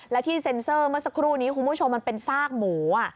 และที่เซ็นเซอร์เมื่อสักครู่นี้คุณผู้ชมมันเป็นซากหมู